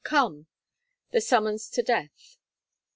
come!' the summons to death.